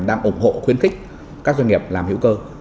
đang ủng hộ khuyến khích các doanh nghiệp làm hữu cơ